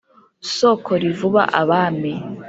soko rivuba abami